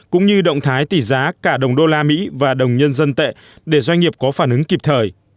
cũng như động thái tỷ giá cả đồng đô la mỹ và đồng nhân dân tệ để doanh nghiệp có phản ứng kịp thời